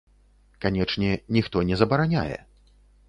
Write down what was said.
Канечне, ніхто не забараняе!